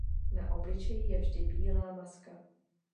Na obličeji je vždy bílá maska.